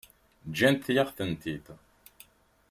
Ǧǧant-yaɣ-tent-id.